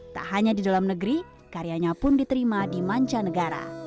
tak hanya di dalam negeri karyanya pun diterima di manca negara